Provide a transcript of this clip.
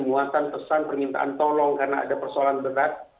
muatan pesan permintaan tolong karena ada persoalan berat